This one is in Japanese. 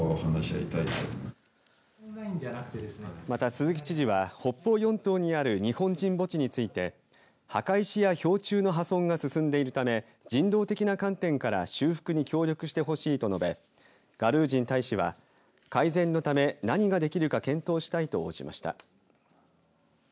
また、鈴木知事は北方四島にある日本人墓地について墓石や標柱の破損が進んでいるため人道的な観点から修復に協力してほしいと述べガルージン大使は改善のため何ができるか検討したいと応じました。